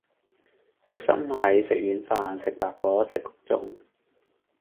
食塞米，食軟飯，食白果，食穀種